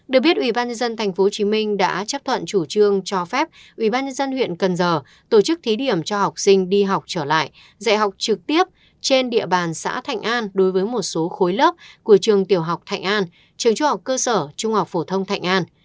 được biết ubnd tp hcm đã chấp thuận chủ trương cho phép ubnd huyện cần giờ tổ chức thí điểm cho học sinh đi học trở lại dạy học trực tiếp trên địa bàn xã thạnh an đối với một số khối lớp của trường tiểu học thạnh an trường trung học cơ sở trung học phổ thông thạnh an